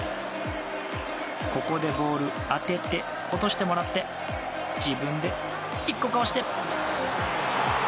ここでボール当てて落としてもらって自分で、１個かわして！